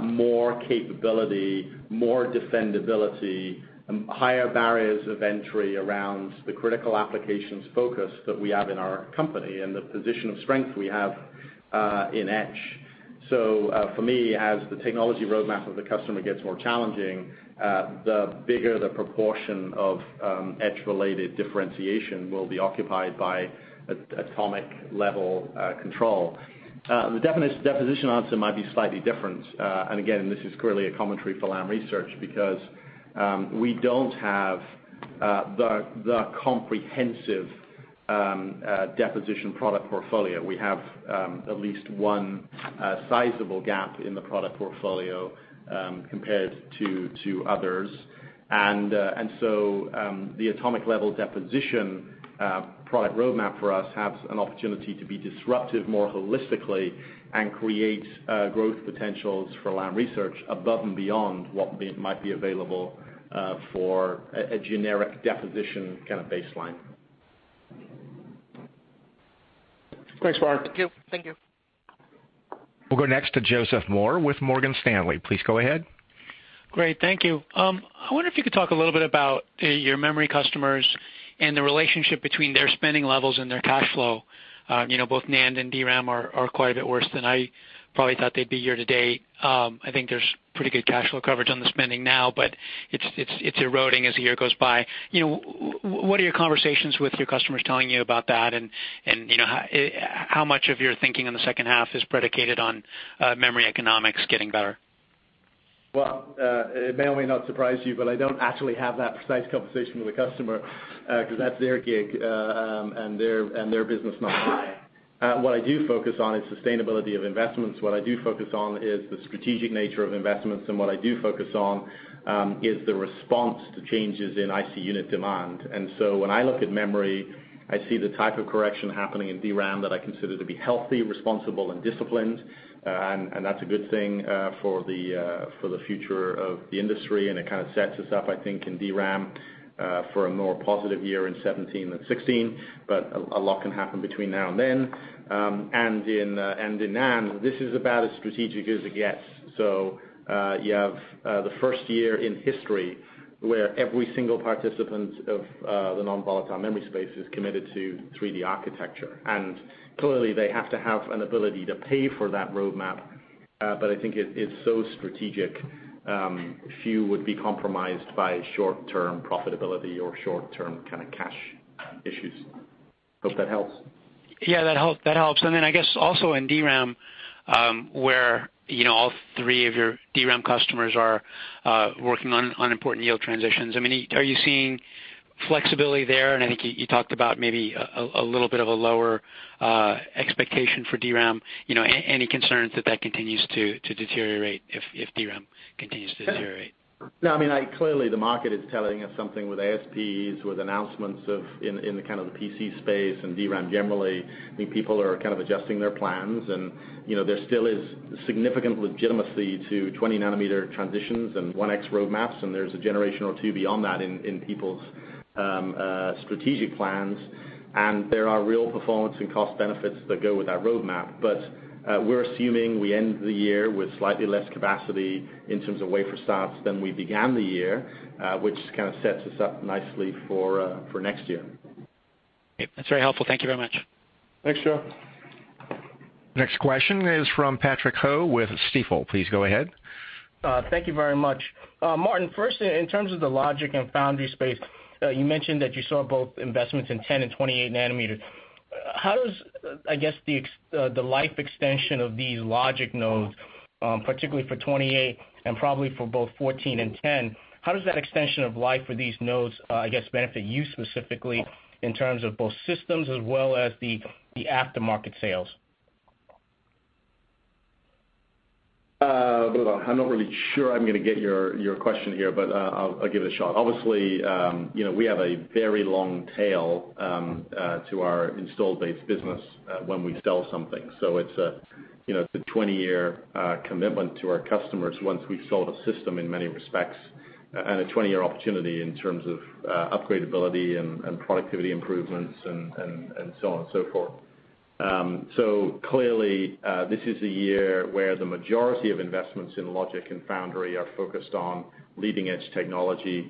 more capability, more defendability, higher barriers of entry around the critical applications focus that we have in our company, and the position of strength we have in etch. For me, as the technology roadmap of the customer gets more challenging, the bigger the proportion of etch-related differentiation will be occupied by atomic level control. The deposition answer might be slightly different. Again, this is clearly a commentary for Lam Research because we don't have the comprehensive deposition product portfolio. We have at least one sizable gap in the product portfolio compared to others. The atomic level deposition product roadmap for us has an opportunity to be disruptive more holistically and create growth potentials for Lam Research above and beyond what might be available for a generic deposition kind of baseline. Thanks, Martin. Thank you. We'll go next to Joseph Moore with Morgan Stanley. Please go ahead. Great. Thank you. I wonder if you could talk a little bit about your memory customers and the relationship between their spending levels and their cash flow. Both NAND and DRAM are quite a bit worse than I probably thought they'd be year to date. I think there's pretty good cash flow coverage on the spending now, but it's eroding as the year goes by. What are your conversations with your customers telling you about that? How much of your thinking in the second half is predicated on memory economics getting better? Well, it may or may not surprise you, but I don't actually have that precise conversation with a customer, because that's their gig, and their business, not mine. What I do focus on is sustainability of investments. What I do focus on is the strategic nature of investments, what I do focus on is the response to changes in IC unit demand. So when I look at memory, I see the type of correction happening in DRAM that I consider to be healthy, responsible, and disciplined, and that's a good thing for the future of the industry. It kind of sets us up, I think, in DRAM, for a more positive year in 2017 than 2016, but a lot can happen between now and then. In NAND, this is about as strategic as it gets. You have the first year in history where every single participant of the non-volatile memory space is committed to 3D architecture, and clearly they have to have an ability to pay for that roadmap. I think it's so strategic, few would be compromised by short-term profitability or short-term kind of cash issues. Hope that helps. Yeah, that helps. I guess also in DRAM, where all three of your DRAM customers are working on important yield transitions, are you seeing flexibility there? I think you talked about maybe a little bit of a lower expectation for DRAM. Any concerns that that continues to deteriorate if DRAM continues to deteriorate? No, clearly the market is telling us something with ASPs, with announcements in the PC space and DRAM generally. I think people are kind of adjusting their plans and there still is significant legitimacy to 20 nanometer transitions and 1X roadmaps, and there's a generation or two beyond that in people's strategic plans, and there are real performance and cost benefits that go with that roadmap. We're assuming we end the year with slightly less capacity in terms of wafer starts than we began the year, which kind of sets us up nicely for next year. Great. That's very helpful. Thank you very much. Thanks, Joe. Next question is from Patrick Ho with Stifel. Please go ahead. Thank you very much. Martin, first, in terms of the logic and foundry space, you mentioned that you saw both investments in 10 and 28 nanometer. How does the life extension of these logic nodes, particularly for 28 and probably for both 14 and 10, how does that extension of life for these nodes benefit you specifically in terms of both systems as well as the aftermarket sales? I'm not really sure I'm going to get your question here, but I'll give it a shot. Obviously, we have a very long tail to our installed base business when we sell something. It's a 20-year commitment to our customers once we've sold a system in many respects, and a 20-year opportunity in terms of upgradeability and productivity improvements and so on and so forth. Clearly, this is a year where the majority of investments in logic and foundry are focused on leading edge technology,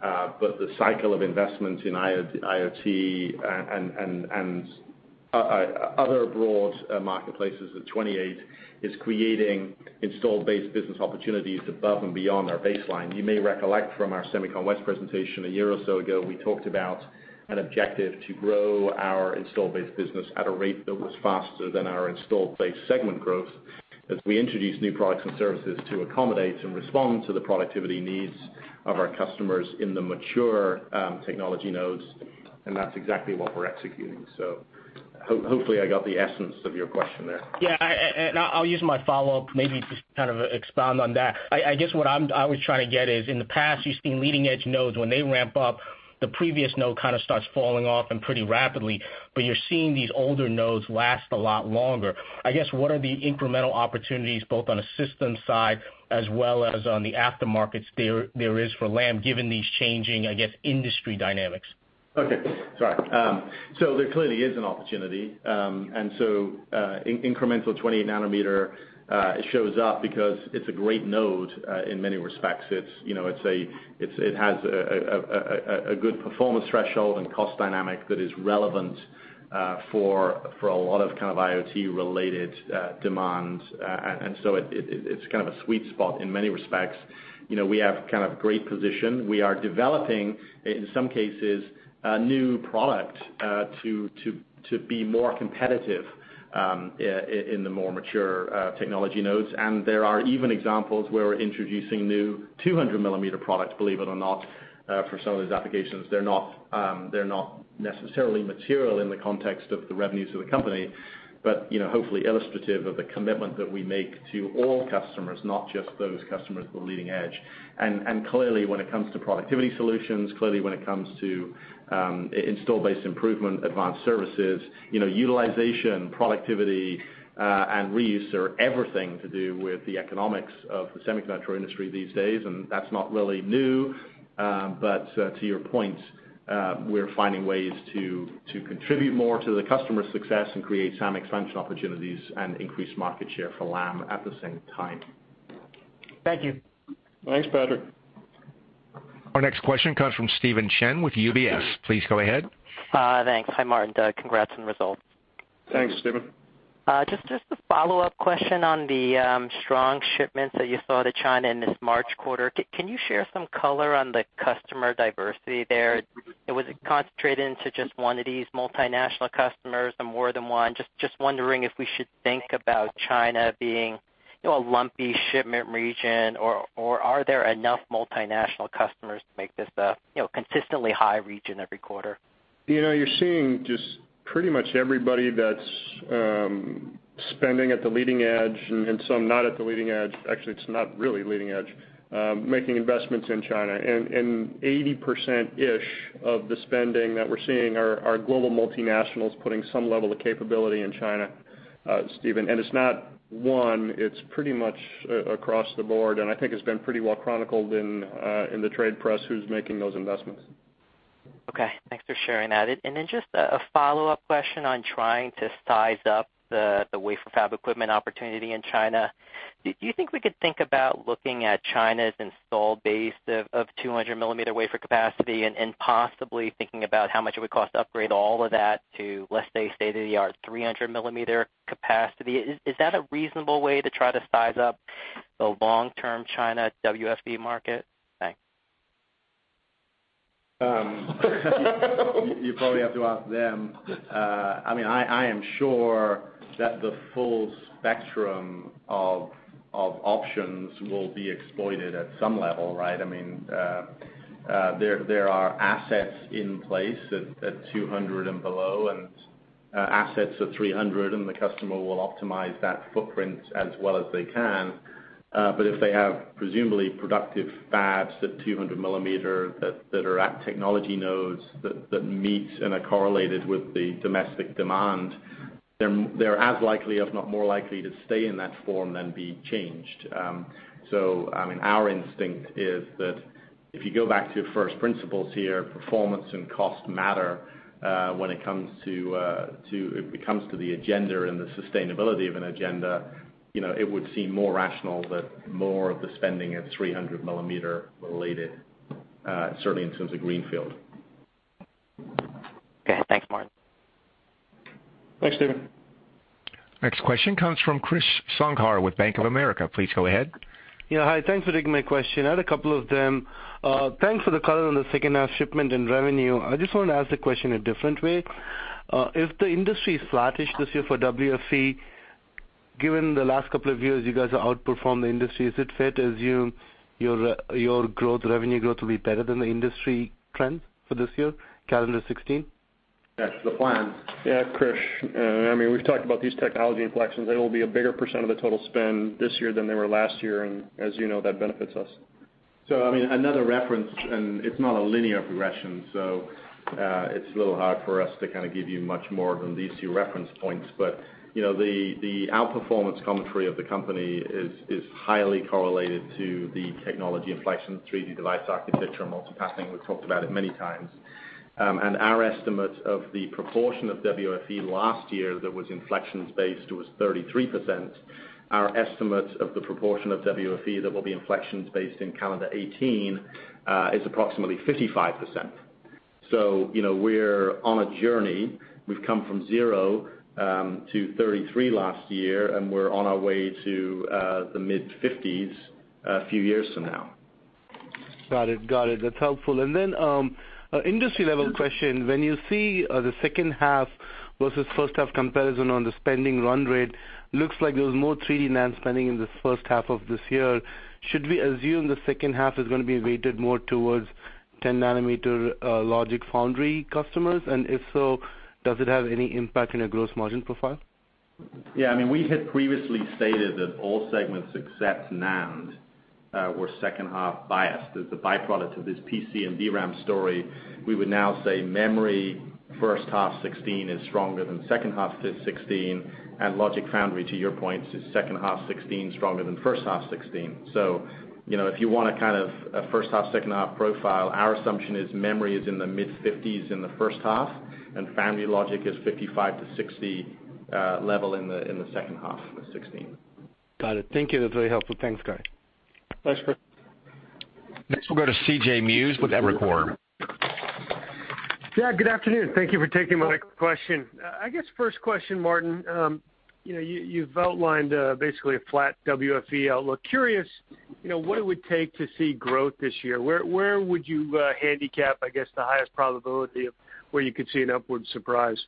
but the cycle of investments in IoT and other broad marketplaces with 28 is creating install-based business opportunities above and beyond our baseline. You may recollect from our SEMICON West presentation a year or so ago, we talked about an objective to grow our install-based business at a rate that was faster than our installed base segment growth as we introduced new products and services to accommodate and respond to the productivity needs of our customers in the mature technology nodes. That's exactly what we're executing. Hopefully I got the essence of your question there. Yeah. I'll use my follow-up maybe to kind of expound on that. I guess what I was trying to get is, in the past, you've seen leading edge nodes, when they ramp up, the previous node kind of starts falling off and pretty rapidly, but you're seeing these older nodes last a lot longer. I guess, what are the incremental opportunities both on a system side as well as on the aftermarket there is for Lam given these changing, I guess, industry dynamics? Okay. Sorry. There clearly is an opportunity. Incremental 28 nanometer shows up because it's a great node in many respects. It has a good performance threshold and cost dynamic that is relevant for a lot of kind of IoT-related demands. It's kind of a sweet spot in many respects. We have kind of great position. We are developing, in some cases, new product to be more competitive in the more mature technology nodes. There are even examples where we're introducing new 200 millimeter products, believe it or not. For some of these applications, they're not necessarily material in the context of the revenues of the company, but hopefully illustrative of the commitment that we make to all customers, not just those customers at the leading edge. Clearly, when it comes to productivity solutions, clearly when it comes to installed base improvement, advanced services, utilization, productivity, and reuse are everything to do with the economics of the semiconductor industry these days, and that's not really new. To your point, we're finding ways to contribute more to the customer success and create some expansion opportunities and increase market share for Lam at the same time. Thank you. Thanks, Patrick. Our next question comes from Stephen Chen with UBS. Please go ahead. Thanks. Hi, Martin. Congrats on the results. Thanks, Stephen. Just a follow-up question on the strong shipments that you saw to China in this March quarter. Can you share some color on the customer diversity there? Was it concentrated into just one of these multinational customers or more than one? Just wondering if we should think about China being a lumpy shipment region, or are there enough multinational customers to make this a consistently high region every quarter? You're seeing just pretty much everybody that's spending at the leading edge and some not at the leading edge, actually, it's not really leading edge, making investments in China. 80% ish of the spending that we're seeing are global multinationals putting some level of capability in China, Stephen. It's not one, it's pretty much across the board, and I think it's been pretty well chronicled in the trade press who's making those investments. Okay, thanks for sharing that. Then just a follow-up question on trying to size up the wafer fab equipment opportunity in China. Do you think we could think about looking at China's installed base of 200-millimeter wafer capacity and possibly thinking about how much it would cost to upgrade all of that to, let's say, state-of-the-art 300-millimeter capacity? Is that a reasonable way to try to size up the long-term China WFE market? Thanks. You probably have to ask them. I am sure that the full spectrum of options will be exploited at some level, right? There are assets in place at 200 and below, and assets at 300, and the customer will optimize that footprint as well as they can. If they have presumably productive fabs at 200 millimeters that are at technology nodes that meet and are correlated with the domestic demand, they're as likely, if not more likely, to stay in that form than be changed. Our instinct is that if you go back to first principles here, performance and cost matter when it comes to the agenda and the sustainability of an agenda. It would seem more rational that more of the spending at 300 millimeter related, certainly in terms of greenfield. Okay. Thanks, Martin. Thanks, Stephen. Next question comes from Krish Sankar with Bank of America. Please go ahead. Hi. Thanks for taking my question. I had a couple of them. Thanks for the color on the second half shipment and revenue. I just want to ask the question a different way. If the industry is flattish this year for WFE, given the last couple of years you guys have outperformed the industry, is it fair to assume your revenue growth will be better than the industry trend for this year, calendar 2016? That's the plan. Krish, we've talked about these technology inflections. They will be a bigger % of the total spend this year than they were last year, and as you know, that benefits us. Another reference, and it's not a linear progression, so it's a little hard for us to kind of give you much more than these two reference points. The outperformance commentary of the company is highly correlated to the technology inflection, 3D device architecture, multi-patterning. We've talked about it many times. Our estimate of the proportion of WFE last year that was inflections based was 33%. Our estimate of the proportion of WFE that will be inflections based in calendar 2018 is approximately 55%. We're on a journey. We've come from zero to 33 last year, and we're on our way to the mid-50s a few years from now. Got it. That's helpful. An industry-level question. When you see the second half versus first half comparison on the spending run rate, looks like there was more 3D NAND spending in the first half of this year. Should we assume the second half is going to be weighted more towards 10-nanometer logic foundry customers? If so, does it have any impact on your gross margin profile? Yeah, we had previously stated that all segments except NAND were second half biased as a byproduct of this PC and DRAM story. We would now say memory first half 2016 is stronger than second half 2016, and logic foundry, to your point, is second half 2016 stronger than first half 2016. If you want a kind of a first half, second half profile, our assumption is memory is in the mid-50s in the first half, and foundry logic is 55 to 60 level in the second half of 2016. Got it. Thank you. That's very helpful. Thanks, guys. Thanks, Krish. Next we'll go to C.J. Muse with Evercore. Yeah, good afternoon. Thank you for taking my question. I guess first question, Martin. You've outlined basically a flat WFE outlook. Curious, what it would take to see growth this year. Where would you handicap, I guess, the highest probability of where you could see an upward surprise?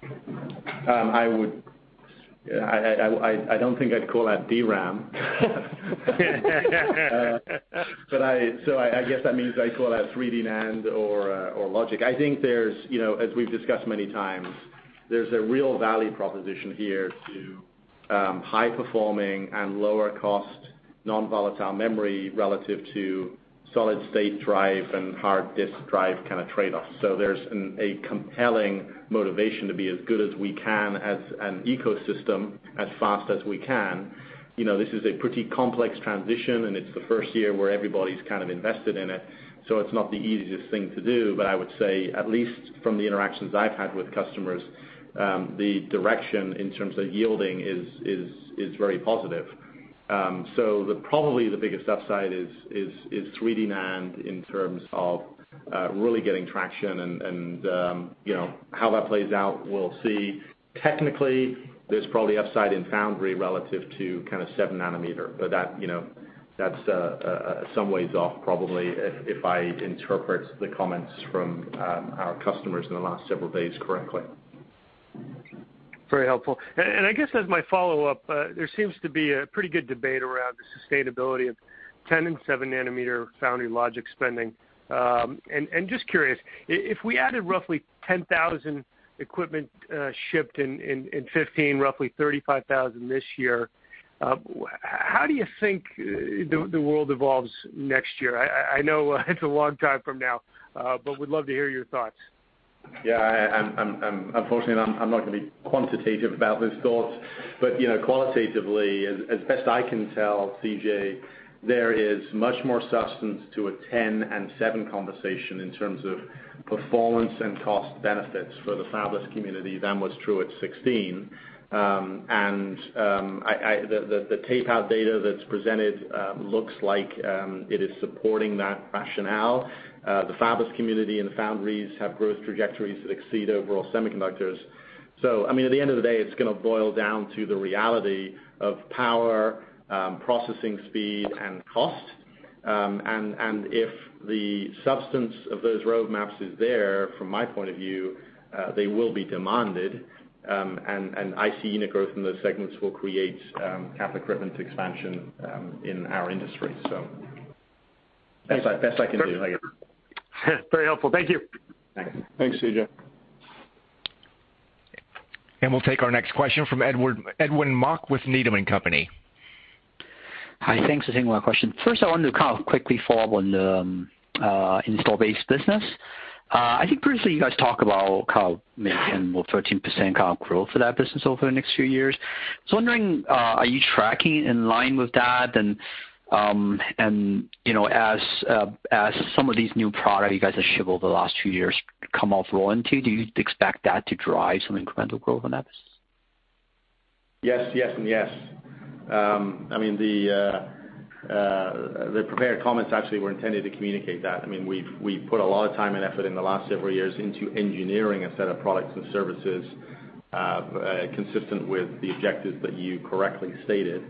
I don't think I'd call that DRAM. I guess that means I'd call that 3D NAND or logic. I think, as we've discussed many times, there's a real value proposition here to high-performing and lower cost non-volatile memory relative to solid state drive and hard disk drive kind of trade-offs. There's a compelling motivation to be as good as we can as an ecosystem, as fast as we can. This is a pretty complex transition, and it's the first year where everybody's kind of invested in it, so it's not the easiest thing to do. I would say, at least from the interactions I've had with customers, the direction in terms of yielding is very positive. Probably the biggest upside is 3D NAND in terms of really getting traction and how that plays out, we'll see. Technically, there's probably upside in foundry relative to kind of seven nanometer, but that's some ways off probably, if I interpret the comments from our customers in the last several days correctly. Very helpful. I guess as my follow-up, there seems to be a pretty good debate around the sustainability of 10 and seven nanometer foundry logic spending. Just curious, if we added roughly 10,000 equipment shipped in 2015, roughly 35,000 this year, how do you think the world evolves next year? I know it's a long time from now, but would love to hear your thoughts. Unfortunately, I'm not going to be quantitative about those thoughts. Qualitatively, as best I can tell, C.J., there is much more substance to a 10 and seven conversation in terms of performance and cost benefits for the fabless community than was true at 16. The tape-out data that's presented looks like it is supporting that rationale. The fabless community and the foundries have growth trajectories that exceed overall semiconductors. I mean, at the end of the day, it's going to boil down to the reality of power, processing speed, and cost. If the substance of those roadmaps is there, from my point of view, they will be demanded. I see unit growth from those segments will create cap equipment expansion in our industry. That's the best I can do. Very helpful. Thank you. Thanks. Thanks, C.J. We'll take our next question from Edwin Mok with Needham & Company. Hi. Thanks for taking my question. First, I wanted to kind of quickly follow up on the install base business. I think previously you guys talk about maybe 10% or 13% kind of growth for that business over the next few years. Wondering, are you tracking in line with that? As some of these new product you guys have shipped over the last few years come off warranty, do you expect that to drive some incremental growth on that business? Yes, yes, and yes. The prepared comments actually were intended to communicate that. We've put a lot of time and effort in the last several years into engineering a set of products and services consistent with the objectives that you correctly stated.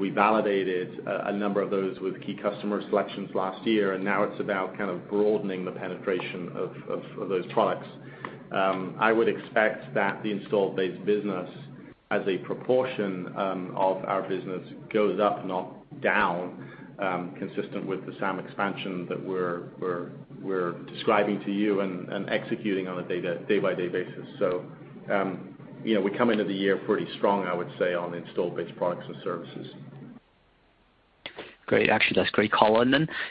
We validated a number of those with key customer selections last year, and now it's about kind of broadening the penetration of those products. I would expect that the install base business as a proportion of our business goes up, not down, consistent with the SAM expansion that we're describing to you and executing on a day-by-day basis. We come into the year pretty strong, I would say, on install base products and services. Great. Actually, that's great color.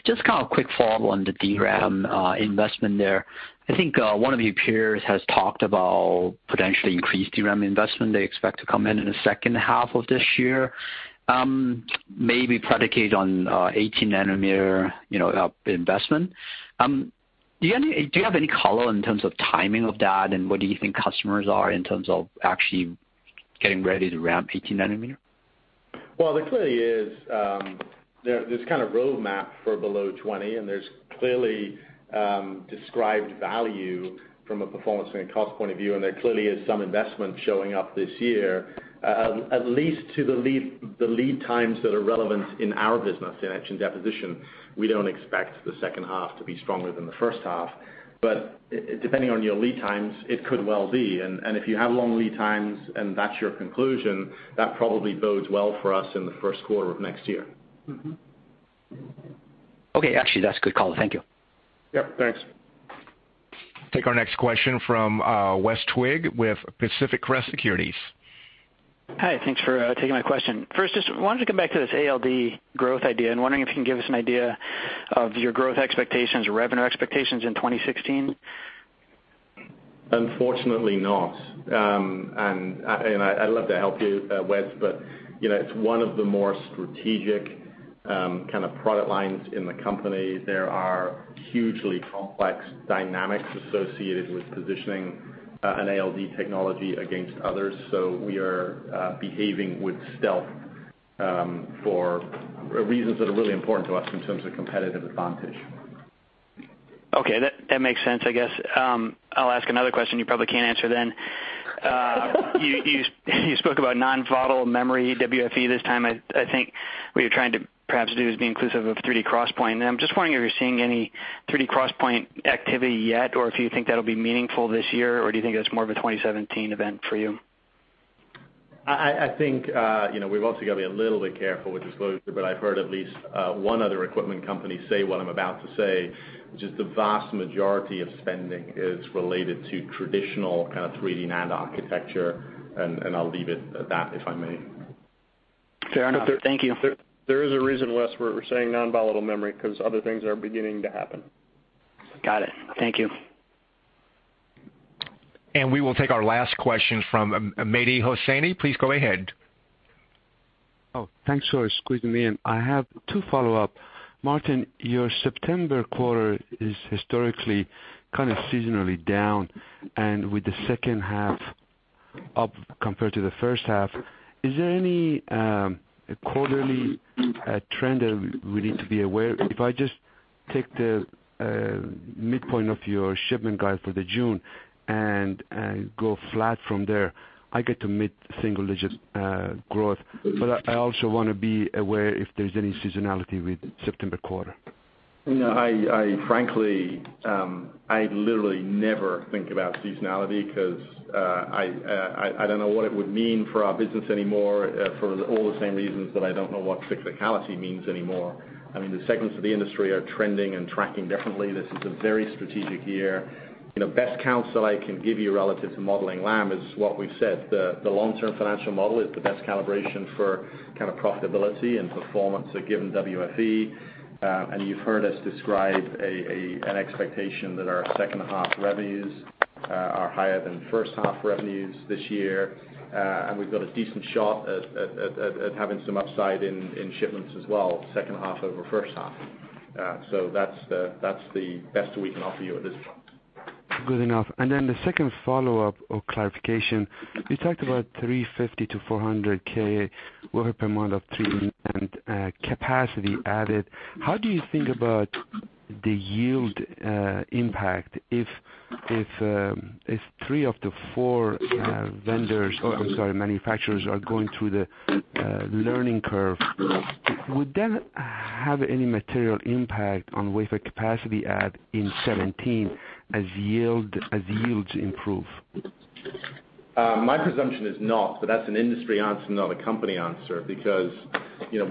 Just kind of quick follow on the DRAM investment there. I think one of your peers has talked about potentially increased DRAM investment they expect to come in in the second half of this year, maybe predicated on 18 nanometer investment. Do you have any color in terms of timing of that, and where do you think customers are in terms of actually getting ready to ramp 18 nanometer? There clearly is this kind of roadmap for below 20, there's clearly described value from a performance and a cost point of view, there clearly is some investment showing up this year. At least to the lead times that are relevant in our business, in etch and deposition, we don't expect the second half to be stronger than the first half, but depending on your lead times, it could well be. If you have long lead times and that's your conclusion, that probably bodes well for us in the first quarter of next year. Mm-hmm. Okay. Actually, that's a good call. Thank you. Yep, thanks. Take our next question from Wes Twigg with Pacific Crest Securities. Hi. Thanks for taking my question. First, just wanted to come back to this ALD growth idea, wondering if you can give us an idea of your growth expectations or revenue expectations in 2016. Unfortunately not. I'd love to help you, Wes, but it's one of the more strategic kind of product lines in the company. There are hugely complex dynamics associated with positioning an ALD technology against others. We are behaving with stealth for reasons that are really important to us in terms of competitive advantage. Okay. That makes sense, I guess. I'll ask another question you probably can't answer then. You spoke about non-volatile memory WFE this time. I think what you're trying to perhaps do is be inclusive of 3D XPoint, and I'm just wondering if you're seeing any 3D XPoint activity yet, or if you think that'll be meaningful this year, or do you think that's more of a 2017 event for you? I think, we've also got to be a little bit careful with disclosure. I've heard at least one other equipment company say what I'm about to say, which is the vast majority of spending is related to traditional kind of 3D NAND architecture, and I'll leave it at that, if I may. Fair enough. Thank you. There is a reason, Wes, we're saying non-volatile memory, because other things are beginning to happen. Got it. Thank you. We will take our last question from Mehdi Hosseini. Please go ahead. Oh, thanks for squeezing me in. I have two follow-up. Martin, your September quarter is historically kind of seasonally down, and with the second half up compared to the first half, is there any quarterly trend that we need to be aware of? If I just take the midpoint of your shipment guide for the June and go flat from there, I get to mid-single digit growth. I also want to be aware if there's any seasonality with September quarter. Frankly, I literally never think about seasonality because I don't know what it would mean for our business anymore, for all the same reasons that I don't know what cyclicality means anymore. The segments of the industry are trending and tracking differently. This is a very strategic year. Best counsel I can give you relative to modeling Lam is what we've said. The long-term financial model is the best calibration for profitability and performance at given WFE. You've heard us describe an expectation that our second half revenues are higher than first half revenues this year. We've got a decent shot at having some upside in shipments as well, second half over first half. That's the best we can offer you at this point. Good enough. Then the second follow-up or clarification, you talked about 350K-400K wafers per month of 3D NAND capacity added. How do you think about the yield impact if three of the four vendors, I'm sorry, manufacturers are going through the learning curve? Would that have any material impact on wafer capacity add in 2017 as yields improve? My presumption is not, but that's an industry answer, not a company answer, because we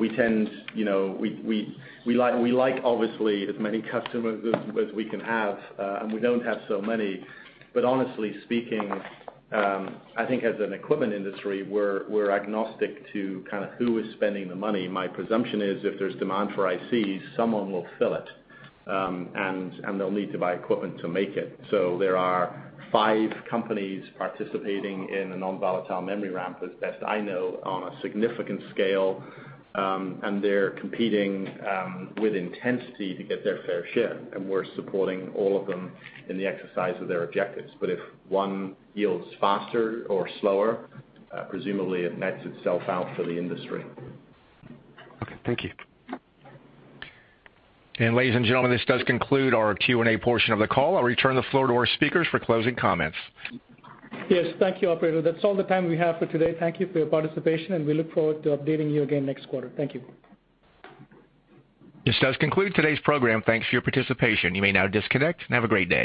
like obviously as many customers as we can have, and we don't have so many. Honestly speaking, I think as an equipment industry, we're agnostic to who is spending the money. My presumption is if there's demand for ICs, someone will fill it, and they'll need to buy equipment to make it. There are five companies participating in a non-volatile memory ramp, as best I know, on a significant scale, and they're competing with intensity to get their fair share, and we're supporting all of them in the exercise of their objectives. If one yields faster or slower, presumably it nets itself out for the industry. Okay, thank you. ladies and gentlemen, this does conclude our Q&A portion of the call. I'll return the floor to our speakers for closing comments. Yes, thank you, operator. That's all the time we have for today. Thank you for your participation, and we look forward to updating you again next quarter. Thank you. This does conclude today's program. Thanks for your participation. You may now disconnect, and have a great day.